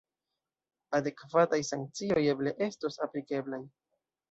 Adekvataj sankcioj eble estos aplikeblaj.